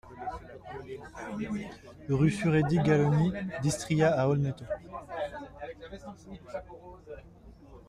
Rue Sureddi Galloni d'Istria à Olmeto